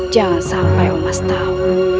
jangan sampai omas tahu